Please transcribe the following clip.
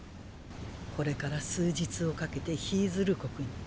これから数日をかけてヒィズル国に。